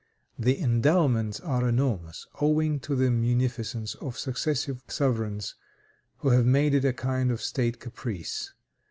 The endowments are enormous, owing to the munificence of successive sovereigns, who have made it a kind of state caprice.